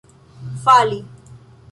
fali